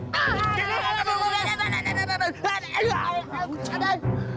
pernahnya abon ya abon ya